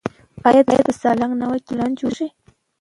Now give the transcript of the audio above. آیا د سالنګ نوی تونل جوړیږي؟